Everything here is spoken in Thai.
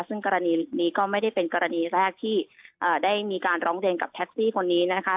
ซึ่งกรณีนี้ก็ไม่ได้เป็นกรณีแรกที่ได้มีการร้องเรียนกับแท็กซี่คนนี้นะคะ